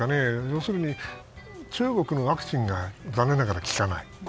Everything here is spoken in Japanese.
要するに、中国のワクチンが残念ながら効かない。